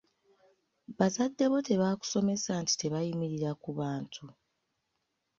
“Bazadde bo tebaakusomesa nti tebayimirira ku bantu?